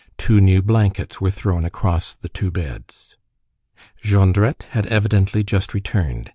Two new blankets were thrown across the two beds. Jondrette had evidently just returned.